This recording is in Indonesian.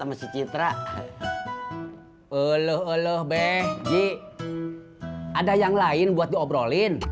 ust uluh uluh beji ada yang lain buat diobrolin